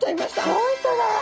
本当だ！